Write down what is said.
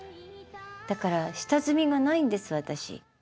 だから下積みがないんです私。